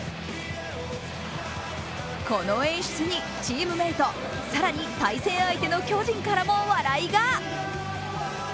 この演出にチームメイト更に対戦相手の巨人からも笑いが。